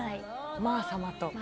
まあ様と。